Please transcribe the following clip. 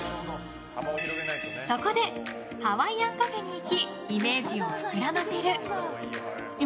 そこで、ハワイアンカフェに行きイメージを膨らませる。